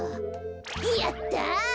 やった。